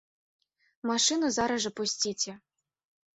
Машыну зараз жа пусціце.